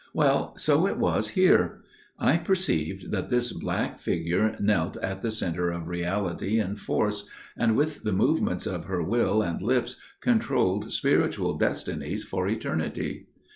Well, so it was here. I perceived that this black figure knelt at the centre of reality and force, and with the movements of her will and lips controlled spiritual destinies for eternity.